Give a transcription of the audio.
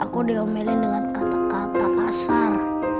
aku diomelin dengan kata kata kasar